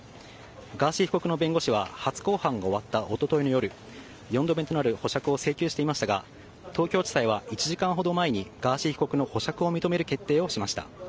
ガーシー被告の弁護士は初公判が終わった一昨日の夜４度目となる保釈を請求していましたが東京地裁は１時間ほど前にガーシー被告の保釈を認める決定をしました。